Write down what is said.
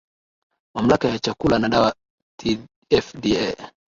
mamlaka ya chakula na dawa tfda